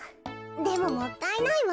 でももったいないわ。